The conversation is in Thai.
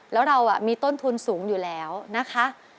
แล้วเรามีต้นทุนสูงอยู่แล้วนะคะ